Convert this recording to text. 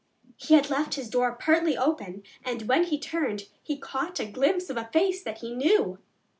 He had left his door partly open, and, when he turned, he caught a glimpse of a face that he knew.